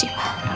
terima kasih pak